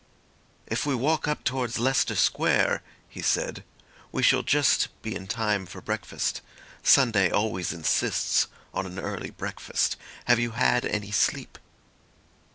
"If we walk up towards Leicester Square," he said, "we shall just be in time for breakfast. Sunday always insists on an early breakfast. Have you had any sleep?"